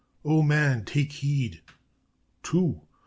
"'O Man, take heed!' "'TWO!